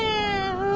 うわ！